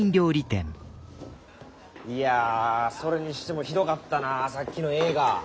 いやそれにしてもひどかったなさっきの映画。